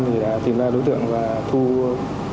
thì đã tìm ra đối tượng và thu giữ xe đối tượng trộm cắp